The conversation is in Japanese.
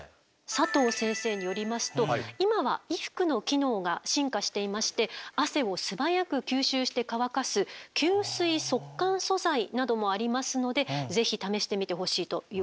佐藤先生によりますと今は衣服の機能が進化していまして汗を素早く吸収して乾かす吸水速乾素材などもありますのでぜひ試してみてほしいというお話でした。